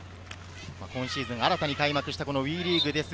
今シーズン新たに開幕したＷＥリーグです。